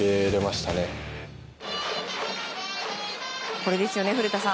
これですよね古田さん。